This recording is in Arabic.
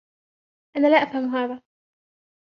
أنا لا أفهم هذا.